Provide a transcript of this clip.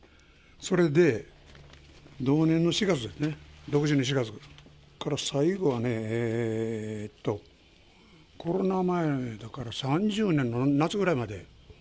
それで同年の４月ですね、６０年の４月から、それで最後はね、コロナ前の、だから３０年の夏ぐらいまで。